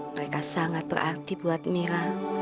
mereka sangat berarti buat mira